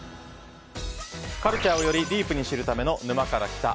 カルチャーをよりディープに知るための「沼から来た。」。